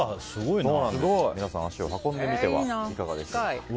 皆さん、足を運んでみてはいかがでしょうか。